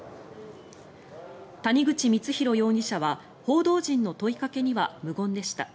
谷口光弘容疑者は報道陣の問いかけには無言でした。